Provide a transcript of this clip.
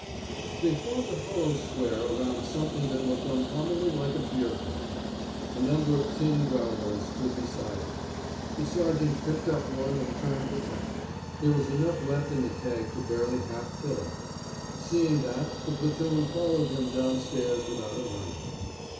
They formed a hollow square around something that looked uncommonly like a beer keg. A number of tin growlers stood beside it. The sergeant picked up one and turned the tap. There was enough left in the keg to barely half fill it. Seeing that, the platoon followed him down stairs without a murmur.